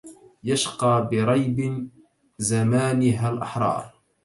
يشقى بريب زمانها الأحرار